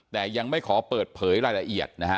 แต่ยังไม่ขอเปิดเผยรายละเอียดนะฮะ